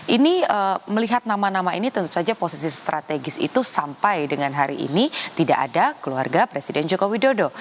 ini melihat nama nama ini tentu saja posisi strategis itu sampai dengan hari ini tidak ada keluarga presiden joko widodo